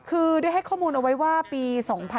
คือได้ให้ข้อมูลเอาไว้ว่าปี๒๕๖๒